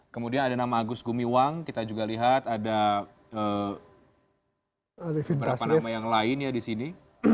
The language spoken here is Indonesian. kemudian ada nama agus gumiwang kita juga lihat ada beberapa nama yang lain ya di sini